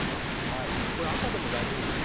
赤でも大丈夫ですかね？